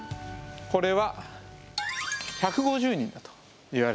これは１５０人だといわれています。